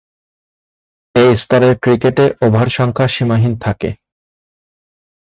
এ স্তরের ক্রিকেটে ওভার সংখ্যা সীমাহীন থাকে।